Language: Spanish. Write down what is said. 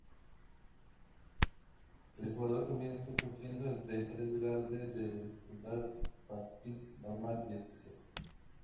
El jugador comienza escogiendo entre tres grados de dificultad: "Practice", "Normal" y "Special".